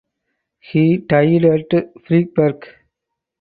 He died at Freiburg.